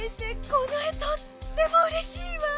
このえとってもうれしいわ！